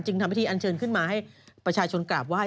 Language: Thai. ทำพิธีอันเชิญขึ้นมาให้ประชาชนกราบไห้